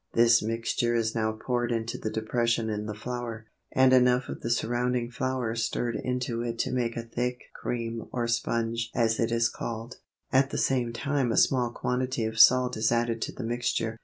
This mixture is now poured into the depression in the flour, and enough of the surrounding flour stirred into it to make a thick cream or sponge as it is called. At the same time a small quantity of salt is added to the mixture.